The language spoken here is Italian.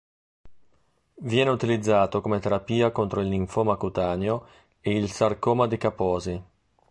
Viene utilizzato come terapia contro il linfoma cutaneo e il sarcoma di Kaposi.